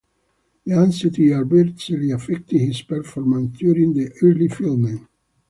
The anxiety adversely affected his performance during the early filming.